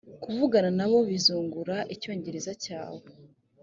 kuvugana nabo bizungura icyongereza cyawe